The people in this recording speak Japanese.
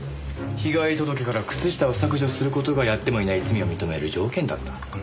被害届から靴下を削除する事がやってもいない罪を認める条件だった。